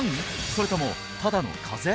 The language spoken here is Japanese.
それともただの風邪？